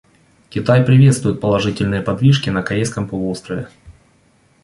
Китай приветствует положительные подвижки на Корейском полуострове.